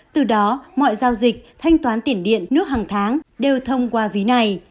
từ đó mọi giao dịch thanh toán tiền điện nước hàng tháng đều thông qua ví này